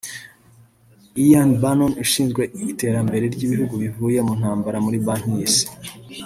Ian Bannon ushinzwe iterambere ry’ibihugu bivuye mu ntambara muri Banki y’Isi